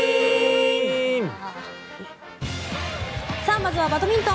まずはバドミントン。